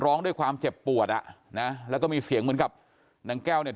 ร้องด้วยความเจ็บปวดอ่ะนะแล้วก็มีเสียงเหมือนกับนางแก้วเนี่ย